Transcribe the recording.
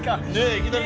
いきなり。